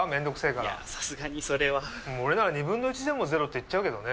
いやさすがにそれは俺なら２分の１でもゼロって言っちゃうけどね。